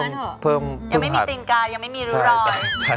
ยังไม่มีติงกายยังไม่มีริ้วรอย